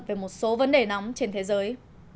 về một số vấn đề nóng trên thế giới